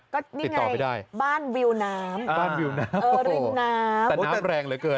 ก็นี่ไงติดต่อไม่ได้บ้านวิวน้ำบ้านวิวน้ำเออน้ำแต่น้ำแรงเหลือเกิน